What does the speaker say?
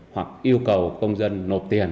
hoặc yêu cầu công dân nộp tiền